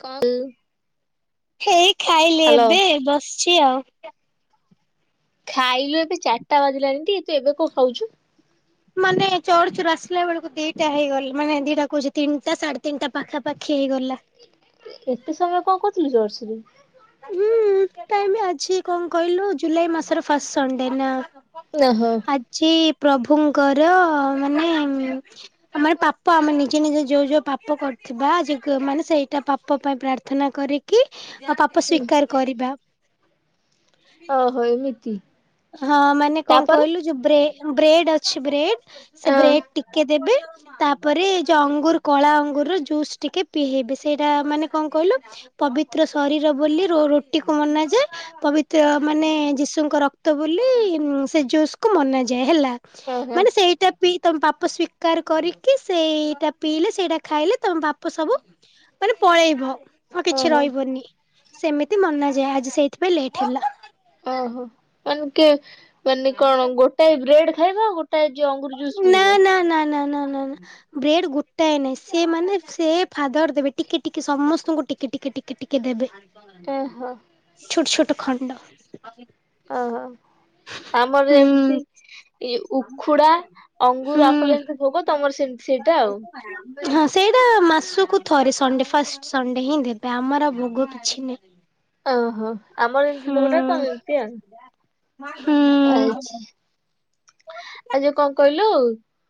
କ [unintelligible] ହେଇ ଖାଇଲି ଏବେ ବସିଛି ଆଉ। ଖାଇଲୁ ଏବେ ଚାରିଟା ବାଜିଲାଣି ଟି ତୁ ଏବେ କଣ ଖାଉଛୁ? ମାନେ ଚଢୁଛୁ ଆସିଲା ବେଳକୁ ଦିଟା ହେଇଗଲା ମାନେ ଦିଟା କହୁଛି ତିନିଟା ସାଢେ ତିନିଟା ପାଖାପାଖି ହେଇଗଲା। ଏତେ ସମୟ କଣ କରଥିଲୁ ଜର୍ସିରୁ। ହୁଁ ଅଛି କଣ କହିଲୁ ଜୁଲାଇ ମାସର ଫାଷ୍ଟ ସଣ୍ଡେ ନା? ଓହୋ ଆଜି ପ୍ରଭୁଙ୍କର ମାନେ ଆମର ପାପ ଆମେ ନିଜେ ନିଜେ ଯୋଉ ଯୋଉ ପାପ କରୁଥିବା ମାନେ ସେଇଟା ପାପ ପାଇଁ ପ୍ରାର୍ଥ ନା କରିକି ଆଉ ପାପ ସ୍ଵେକାର କରିବା। ଆ ହୋ ଏମିତି। ହଁ ମାନେ କଣ ତାପରେ କହିଲୁ ଯୋଉ ବ୍ରେଡ ଅଛି ବ୍ରେଡ ସେ ଅ ବ୍ରେଡ ଟିକେ ଦେବେ। ତାପରେ ଏ ଯୋଉ ଅଙ୍ଗୁର କଳା ଅଙ୍ଗୁର ର ଜୁସ୍ ଟିକେ ପିଏଇବେ ସେଇଟା ମାନେ କଣ କହିଲୁ ପବିତ୍ର ଶରୀର ବୋଲି ରୁଟି କୁ ମନାଯାଏ। ପବିତ୍ର ମାନେ ଯୀଶୁଙ୍କ ରକ୍ତ ବୋଲି ସେ ଜୁସ୍ ମନାଯାଏ ହେଲା। ଓହୋ ମାନେ ସେଇ ଟା ପି ତମ ବାପ ସ୍ଵୀକାର କରିକି ସେଇଟା ପିଇଲେ ସେଇଟା ଖାଇଲେ ତମ ପାପ ସବୁ ମାନେ ପଳେଇବ ଆଉ କିଛି ଓହୋ ରହିବନି ସେମିତି ମନାଯାଏ ଆଜି ସେଇଥିପାଇଁ ଲେଟ୍ ହେଲା। ଓହୋ ମାନେ କି ମାନେ କଣ ଗୋଟାଏ ବ୍ରେଡ ଖାଇବା ଗୋଟାଏ ଯଉ ଅଙ୍ଗୁର ଜୁସ୍ ନା ପିଇବ? ନା ବ୍ରେଡ ଗୋଟାଏ ନାହିଁ ସେ ମାନେ ସେ ଫାଦର ଦେବେ ଟିକେ ଟିକେ ସମସ୍ତଙ୍କୁ ଟିକେ ଟିକେ ଟିକେ ଟିକେ ଦେବେ। ଓହୋ ଛୋଟ ଛୋଟ ଖଣ୍ଡ। ଓହୋ ଆମର ହୁଁ ଯେମିତି ଏଇ ଉଖୁଡା ହୁଁ। ଅଙ୍ଗୁର ଆପଲ ଯେମିତି ଭୋଗ ତମର ସେମିତି ସେଇଟା ଆଉ। ହଁ ସେଇଟା ମାସକୁ ଥରେ ସଣ୍ଡେ ଫାଷ୍ଟ ସଣ୍ଡେ ହିଁ ଦେବେ ଆମର ଭୋଗ କିଛି ନାହିଁ। ଓହୋ। ଆମର ଏମିତି ହୁଁ ପୋକଟା ତମେ ଏମତି ହୁଁ। ଆଉ ଆଚ୍ଛା। ଆଚ୍ଛା କଣ କହିଲୁ?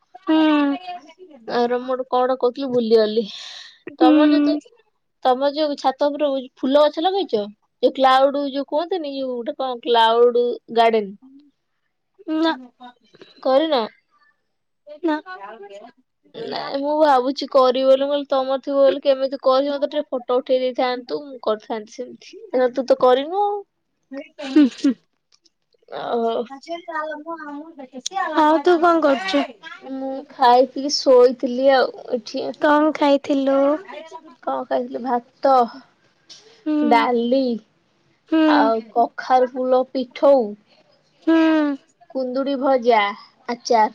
ହୁଁ। ଆ ର ମୁଁ କଣ ଗୋଟେ କହୁଥିଲି ଭୁଲିଗଲି। ହୁଁ ତମର ଯେହେତୁ ତମ ଯୋଉ ଛାତ ଉପରୁ ଫୁଲ ଗଛ ଲଗେଇଛ ଯୋଉ କ୍ଲାଉଡ ଯୋଉ କୁହନ୍ତିନି ଯୋଉ ଗୋଟେ କଣ କ୍ଲାଉଡ। ଗାର୍ଡେନ୍ ନା କରି ନ? ସେ ନାଇଁ ମୁଁ ଭାବୁଛି। କରିବ ବୋଲି ତମର ଥିବ ବୋଲି କେମିତିି ମତେ ଟିକେ ଫଟୋ ଉଠେଇ ଦେଇଥାନ୍ତୁ ମୁଁ କରିଥାନ୍ତି ସେମିତି। ସେ ତୁ ତ କରିନୁ ଆଉ। ହୁଁ ହୁଁ। ମୁଁ ଆଉ ଆଉ ତୁ କଣ କରୁଛୁ? ମୁଁ ଖାଇଥିଲି ଶୋଇଥିଲି ଆଉ ଏଠି। କଣ ଖାଇଥିଲୁ? କଣ ଖାଇଥିଲୁ ଭାତ? ହୁଁ। ଡାଲି ହୁଁ ଆଉ କଖାର ଫୁଲ ପିଠଉ। ହୁଁ କୁନ୍ଦୁୁରୀ ଭଜା, ଆଚର।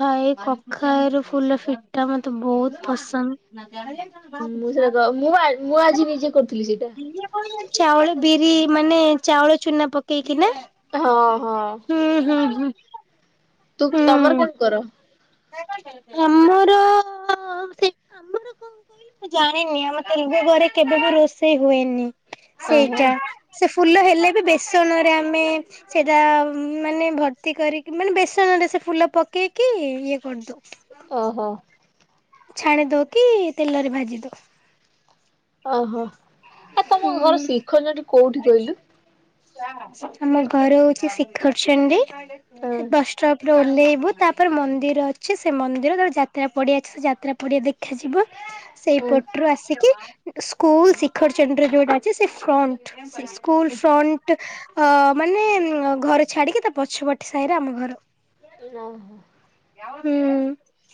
ଭାଇ କଖାର ଫୁଲ ଫିଟା ମତେ ବହୁତ ପସନ୍ଦ। ମୁଁ ସେଇଟା ମୁଁ ମୁଁ ଆଜି ନିଜେ କରୁଥିଲି ସେଇଟା। ଚାଉଳ ବିରି ମାନେ ଚାଉଳ ଚୁନା ପକେଇକି ନା। ହଁ ହଁ। ହୁଁ ହୁଁ ହୁଁ। ତୁ ତମର କେମତି ହୁଁ। କର? ଆମର ସେ ଆମର କ କହ ଜାଣିନି ଆମ ତଭ ଘରେ କେବେ ବି ରୋଷେଇ ହୁଏନି ହଁ ହଁ ସେଇଟା। ସେ ଫୁଲ ହେଲେ ବି ବେସନରେ ଆମେ ସେଟା ମାନେ ଭର୍ତ୍ତି କରିକି ମାନେ ବେସ ନରେ ସେ ଫୁଲ ପକେଇକି ଇଏ କରିଦୋଉ। ଓହୋ। ଛାଣି ଦୋଉ କି ତେଲରେ ଭାଜି ଦୋଉ। ଅହଁ ଆ ତମ ହୁଁ ଘର ଶିଖରଚଣ୍ଡୀ କୋଉଠି କହିଲୁ। ଆମ ଘର ହୋଉଚି ଶିଖରଚଣ୍ଡୀ ହଁ ହେ ବସ୍ ଷ୍ଟପ ରେ ଓହ୍ଲେଇବୁ ତାପରେ ମନ୍ଦିର ଅଛି ସେ ମନ୍ଦିର ତାପରେ ଯାତ୍ରା ପଡିଆ ଅଛି ସେ ଯାତ୍ରା ପଡିଆ ଦେ ଖାଯିବ ସେଇ ଉଁ ପଟୁରୁୁ ଆସିକି ସ୍କୁଲ ଶିଖରଚଣ୍ଡୀରେ ଯୋଉଟା ଅଛି ସେ ଫ୍ରଣ୍ଟ ସେଇ ସ୍କୁଲ ଫ୍ରନ୍ ଅ ମାନେ ଘର ଛାଡିକି ତା ପଛ ପଟ୍ ସାହିରେ ଆମ ଘର। [unintelligible] ହୁଁ।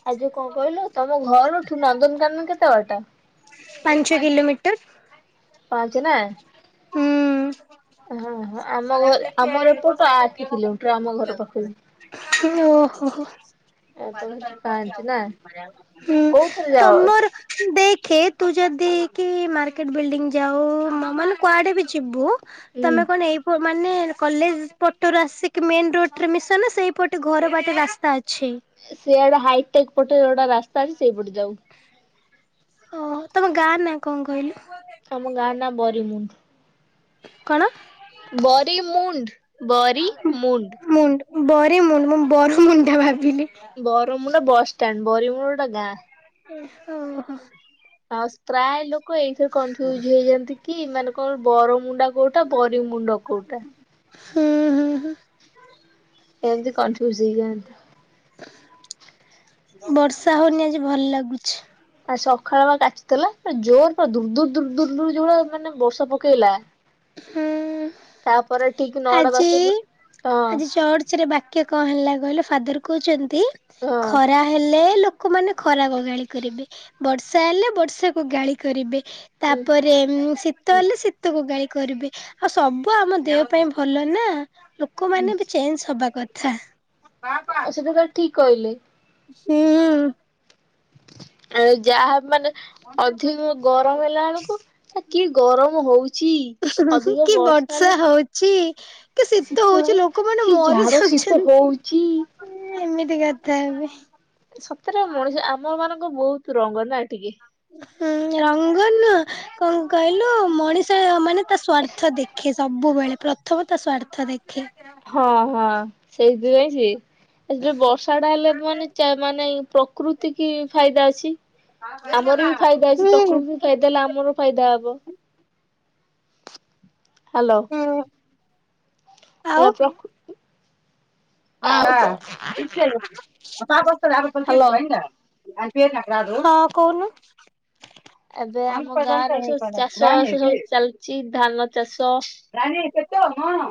ଆ ଯୋଉ କଁ କହିଲୁ ତମ ଘରଠୁ ନନ୍ଦନକାନନ କେତେ ବାଟା। ପଞ୍ଚ କିିଲୋମିଟର। ପାଞ୍ଚେ ନାଁ। ଅହଁ ହଁ ଆମ ଘ ଆମର ଏପଟୁ ଆଠେ କିଲୋମିଟର ଆମ ଘର ପାଖୁରୁ। ହୁଁ ଓହୋ ହୋ। ଆଉ ତମେ ହୁଁ ସେଠି ପାଞ୍ଚ ନା କୋଉଥିରେ ଯାଅ? ତମର ଦେଖେ ତୁ ଯଦି କି ମାର୍କେଟ ବିଲଡିଙ୍ଗି ଯାଉ ମ ମାନେ କୁଆଡେ ବି ଛିବୁ ହୁଁ ତମେ କଣ ଏଇ ପ ମାନେ କଲେଜ ପଟରୁ ଆସିକି ମେନ ରୋଟ୍ ରେ ମିଶନା ସେଇପଟେ ଘର ବାଟେ ରାସ୍ତା ଅଛି। ସେଆଡେ ହାଇଟେକ୍ ପଟେ ଗୋଟା ରାସ୍ତା ଅଛି ସେଇପଟେ ଯାଉ। ଅହଁ ତମ ଗାଁନା କଁ କହିଲୁ। ଆମ ଗାଁ ନା ବରିମୁଣ୍ଡ। କଣ ବରି ମୁଣ୍ଡ ବରି ମୁଣ୍ଡ। ବରିମୁଣ୍ଡ ମୁଁ ବରମୁଣ୍ଡା ଭାବିଲି। ବରମୁଣ୍ଡା ବସ୍ ଷ୍ଟାଣ୍ଡ ବରିମୁଣ୍ଡାଟା ଗାଁ। [unintelligible] ଆଉ ସ୍ ପ୍ରାୟ ଲୋକୋ ଏଇଥିରେ କନଫ୍ୟୁଜ୍ ହେଇଯାନ୍ତି କି ମାନେ କଁ ବରମୁଣ୍ଡା କୋଉଟା ବରିମୁଣ୍ଡ କୋଉଟା। ହୁଁ ହୁଁ ହୁଁ। ଏନ୍ତି କନଫ୍ୟୁଜ୍ ହେଇଯାଆନ୍ତି। ବର୍ଷା ହୋଉନି ଆଜି ଭଲ ଲାଗୁଛି। ଆଜି ସଖାଳ ବା କାଚଦେଲା ପୁରା ଜୋର୍ ପୁରା ଦୂର୍ ଦୂର୍ ଦୂର୍ ଦୂର୍ ଦୂର୍ ଯୋଉରା ମାନେ ବ ହୁଁ। ତାପରେ ଠିକ ନଅଟା ଆଜି ଦଶଟା ସୁ ହଁ ଆଜି ଚର୍ଚ୍ଚରେ ବା କିଏ କଁ ହେଲା କହିଲ ଫାଦର କୋହୁଚନ୍ତି ଖରା ହଁ। ରା ହେଲେ ଲୋକୋମାନେ ଖରାକୁ ଗାଳି କରିବେ ବର୍ଷା ହେଲେ ବର୍ଷାକୁ ଗାଳି କରିବେ। ତାପରେ ଏମ୍ ସି [unintelligible] ଶୀତକୁ ଗାଳି କରିବେ ଆଉ ସବୁ ଆମ ଦେହ ପାଇଁ ଭଲ ନା ଲୋ କୋ ମାନେ ବି ଚେଞ୍ଚ୍ ହବା କଥା। ଆଉ ସେଟା ତା ଠିକ କହିଲେ। ହୁଁ। ଆଉ ଯାହା ମାନେ ଅଧିକ ଗରମ ହେଲା ଆଳୁକୁ କି ଗରମ ହୋଉଚି। ହୁଁ ଅଧିକ କି ବର୍ଷା ହେଲେ ହଉଛି କି ଶୀତ ଶୀତହେ ହଉଛି ଲୋକମାନେ କି ଜାଡ ଶୀତ ହୋଉ ଚୀ। ଇଏ ଏମିତି କଥା ଏବେ। ସତରେ ମଣିଷ ଆମ ମାନଙ୍କ ବୋହୁତ ରଙ୍ଗ ନା ଟିକେ। ହୁଁ ରଙ୍ଗନ କଣ କହିଲୁ ମଣିଷ ମାନେ ତା ସ୍ଵାର୍ଥ ଦେଖେ ସବୁବେଳେ ପ୍ରଥମ ତା ସ୍ଵାର୍ଥ ଦେଖେ। ହଁ ହଁ ସେଇଥିପାଇଁ ସିଏ [unintelligible] ସେ ବର୍ଷା ଟା ହେଲେ ମାନେ ମାନେ ପ ପ୍ରକୃତି କି ଫାଇଦା ଅଛି ଆମର ବି ଫାଇଦା ଅଛି ହୁଁ ପ୍ରକୃତି ଏ ତାହାଲେ ଆମର ଫାଇଦା ହବ। ହ୍ୟାଲୋ ହୁଁ। ହେଲା ପ୍ର ହଁ ବା ହ୍ୟାଲୋ [unintelligible] ହଁ କୋହୁନୁ ଏବେ ଆମ ଗାଁରୁ ସବୁ ଚାଷ ବାସ ସବୁ ଚାଲିଚି ଧାନ ଚାଷ। ରାନୀ ପେଟ ହଁ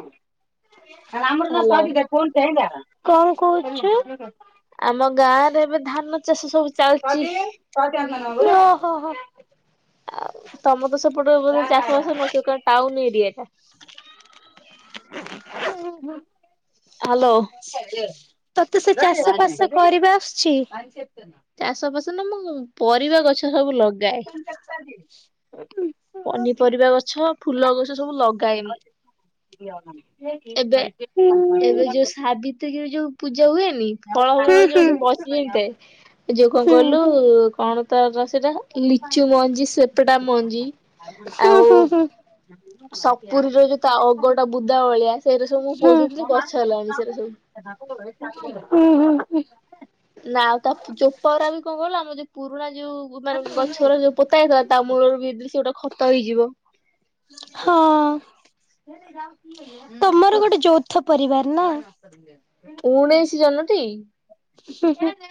ଭଲ [unintelligible] [unintelligible] କଣ କହୁଚୁ? ଆମ ଗାଁ ରେ ଏବେ ଧାନ ଚାଷ ସବୁ ଚାଲିଛି ପାଟି [unintelligible] ଓ ହୋ ହୋ ଆଉ ତମ ତ ସେପଟେ ବୋଧେ ଚାଷବାସ ନଥିବ କାର ଟାଉନ ଏରିଆ ଟା। [unintelligible] ହ୍ୟାଲୋ। ତତେ ସେ ଚାଷ ଫାସ କରିବା ଆସୁଚି। ଚାଷ ପାସ ନ ମୁଁ ପରିବା ଗଛ ସବୁ ଲଗାଏ। ହୁଁ ପନିପରିବା ଗଛ ଫୁଲ ଗଛ ସବୁ ଲଗାଏ ମୁଁ। ଉ। ସିଏ କେବେ ଯୋଉ ପୂଜା [unintelligible] ଫଳ ହୁଁ ମୁଳ ହୁଁ ହୁଁ ଯୋଉ ବସି [unintelligible] ଯୋଉ କଣ କହିଲୁ କଣ ତାର [unintelligible] ଲିଚୁ ମଞ୍ଜି ସେପଟା ମଞ୍ଜି ହୁଁ ଆଉ ହୁଁ ସପୁରୀର ଯୋଉ ତା ଅଗଟା ବୁଦାବଳିଆ ସେଇରା ସବୁ [unintelligible] ଗଛ ହେଲାଣି ସେଇରା ସବୁ। ହୁଁ ହୁଁ। ନା ଆଉ ତା ପୁ ଚୋପ ଗୁରା ବି କଁ କହିଲୁ ଆମ ଯୋଉ ପୁରୁଣା ଯୋଉ ପୁରୁଣା ଗଛଗୁରା ଯୋଉ ପୋତା ହେଇଥିଲା ତା ମୂଳରୁ ବିି ଦିଲ୍ ସେ ଗୋଟେ ଖତ ହେଇଯିବ। ହଁ ତମର ଗୋଟେ ଯୌଥ ପରିବାର ନା। ଉଣେଇଶି ଜନଟି। ହୁଁ ହୁଁ।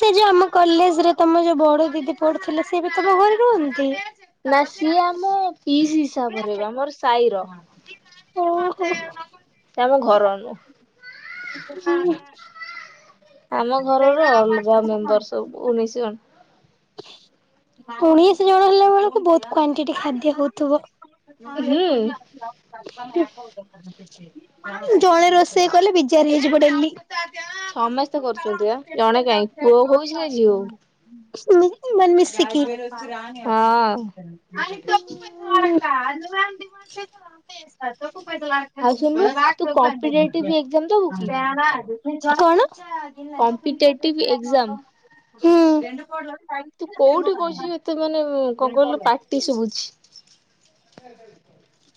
ସେ ଯୋଉ ଆମ କଲେଜରେ ତମ ଯୋଉ ବଡ ଦିଦି ପଡୁଥିଲେ ସେ ବି ତମ ଘରେ ରୁହନ୍ତି? ନା ସିଏ ଆମ ପିଇସି ହିସାବ ରେ ବା ଆମର ସାଇର। [unintelligible] ସେ ଆମ ଘର ଅନୁ ହୁଁ। ଆମ ଘରର ଅଲଗା ମେମ୍ବର ସବୁ ଉ [unintelligible] ଉଣେଇଶି ଜଣ ହେଲା ବେଳକୁ ବୋହୁତ କ୍ଵାଣ୍ଟିଟି ଖାଦ୍ୟ ହୋଉଥିବ। ହଁ ହୁଁ ପୁଣି ଆସ ଜଣେ ରୋଷେଇ କଲେ ବିଜାର ହେଇଯିବ ଡେଲି ସମସ୍ତେ କରୁଛନ୍ତି ପା ଜଣେ କାଇ ପୁଅ ହୋଉ ସେ ଝିଅ ହୋଉ। ମା ମିଶିକି। ହଁ [unintelligible] ଆଉ ଶୁଣୁନୁ ତୁ କମ୍ପିଟେଟିଭ ଏକ୍ଜାମ ଦବୁ କି? [unintelligible] କମ୍ପିଟେଟିଭ କଣ ଏକ୍ଜାମ ହଁ। ତୁ କୋଉଠି ବଇଚୁ ଏତେ ମାନେ କଣ କହିଲୁ ପା ଶୁଭୁଛି।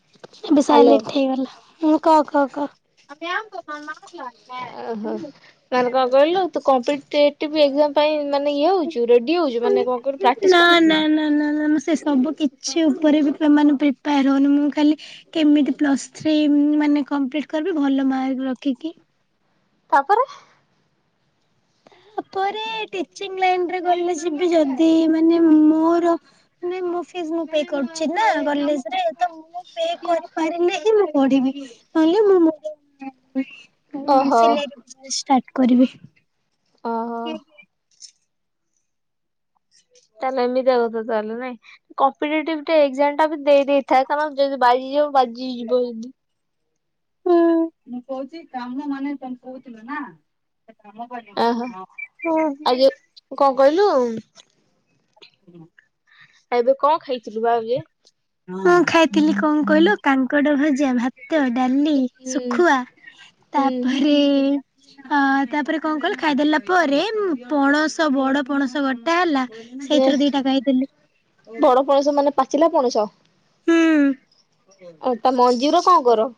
ଏବେ ହ୍ୟାଲୋ ସାଇଲେଣ୍ଟ ହେଇଗଲା କ କ କ କ ଆହ ମାନେ କଁ କହିଲୁ ତୁ କମ୍ପିଟେଟିବ୍ ଏକ୍ଜାମ୍ ପାଇଁ ମାନେ ଇଏ ହଉଚୁ? ରେଡି ହଉଚୁ? ମାନେ କଁ କହିଲୁ ପ୍ରାକ୍ଟିସ୍ ନା କରୁଚୁ? ନା ନା ନା ନା ସେ ସବୁ କିଛି ଉପରେ ବି ପେ-ମାନେ ପ୍ରିପାର ହଉନି। ମୁଁ ଖାଲି କେମିତି ପ୍ଲସ୍ ଥ୍ରୀ ମାନେ କମ୍ପ୍ଲିଟ୍ କରିବି? ଭଲ ମାର୍କ ରଖିକି। ତା ପରେ? ତାପରେ ଟିଚିଂ ଲାଇନ୍ ରେ ଗଲେ ଯିବି, ଯଦି ମାନେ ମୋର ନାଇଁ ମୋ ଫିସ୍ ମୁଁ ପେ କରୁଚି ନା କଲେଜରେ। ତ ମୁଁ ପେ କରିପାରିଲେ ହିଁ ମୁଁ ପଢିବି। ନହଲେ ମୁ ମୋର [unintelligible] ଓହୋ ସିଲେଇ ଷ୍ଟାର୍ଟ କରିବି। ଓହୋ [inaudible] ତାହାଲେ ଏମିତିଆ କଥା ତାହେଲେ ନାଇ। କମ୍ପିଟେଟିଭ୍ ଟା ଏକ୍ଜାମ ଟା ବି ଦେଇେଦେଇଥା, କାରଣ ଯଦି ବାଜିଯିବ ବାଜି ଯିବ ଯଦି। ହୁଁ। ମୁଁ କହୁଚି କାମ ମାନେ ତମେ କହୁଥିଲ ନା? ଆ କାମ ଓହୋ କରିବୁ? ହୁଁ। ଆଉ ଯେ କଣ କହିଲୁ? ହୁଁ। ଆଉ ଏବେ କଣ ଖାଇ ର୍ବାେ [unintelligible] ମୁଁ ଖାଇଥିଲି କଣ କହିଲୁ, କାଙ୍କଡ ଭଜା, ଭାତ ତ ଡାଲି, ହୁଁ ଶୁଖୁଆ ହୁଁ ତାପରେ ଅ ତାପରେ କଣ କହିଲ ଖାଇଦେଲା ପରେ, ପଣସ ବଡ ପଣସ କଟା ହେଲା। ଶଇ ଥିରୁ ଦିଟା ଖାଇଥିଲି। ବଡ ପଣସ ମାନେ ପାଚିଲା ପଣସ? ହୁଁ। ଆ ତା ମଞ୍ଜିୁରା କଣ କର?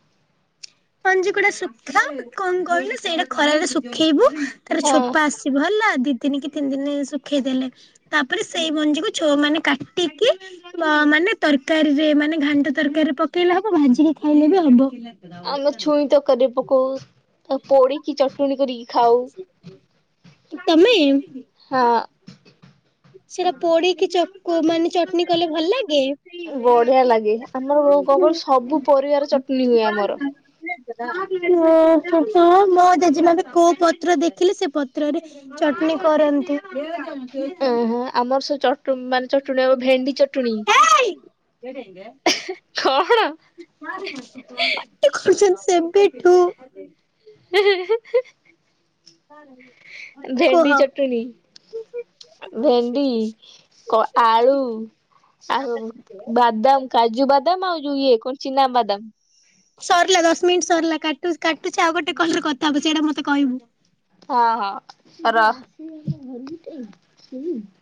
ପଞ୍ଜି କୁଡା ଶୁଖା କଣ କହିଲ ସେଇଟା ଖରାରେ ଶୁଖେଇବୁ, ତାର ଆ ଛୋପା ଆସ ଭଲ ଦି ଦିନ କି ତିନି ଦିନ, ଶୁଖେଇଦେଲେ। ତାପରେ ସେଇ ମଞ୍ଜି କୁ ଛୁଆମାନୋ କାଟିକି ମା ମାନେ ତରକାରୀରେ ମାନେ ଘାଣ୍ଟ ତରକାରୀରେ ପକେଇଲେ ହବ। ଭାଜିକି ଖାଇଲେ ବି ହବ। ସିଧା ବସ୍। ଆମେ ଛୁଇଁ ତରକାରୀ ପକଉ। ଆଉ ପୋଡିକି ଚଟଣି କରିକି ଖାଉ। ତମେ? ହଁ। ସେଟା ପୋଡିକି ଚ-କୁ ମାନେ ଚଟଣି କଲେ ଭଲ ଲାଗେ? ବଢିଆ ଲାଗେ ଆମରୋ କ-କଣ କହିଲୁ, ସବୁ ପରିବାର ଚଟଣି ହୁଏ ଆମର। ଓହୋ। ହଁ ମୋ ଜେଜେମା କୋଉ ପତ୍ର ଦେଖିଲେ ସେ ପତ୍ରରେ ଚଟଣି କରନ୍ତି। ଓହୋ ଆମର ସେ ଚ ମାନେ ଚଟୁଣୀ ହବ ଭେଣ୍ଡି ଚଟଣୀ। କଣ? ପାଟି କରୁଛନ୍ତି ସେବେଠୁ। [unintelligible] [unintelligible] କୁହ। ଭେଣ୍ଡି ଚଟଣି। ଭେଣ୍ଡି, ଆଳୁ, ଆ ବାଦାମ କାଜୁ ବାଦାମ ଆଉ ଯେ ଇଏ, କଣ ଚିନା ବାଦାମ। ସରିଲା ଦଶ ମିନିଟ୍ ସରିଲା କାଟୁ କାଟୁଛି ଆଉ ଗୋଟେ କଲରେ କଥା ହବୁ ସେଇଟା ମତେ କହିବୁ। ହଁ ହଁ। ର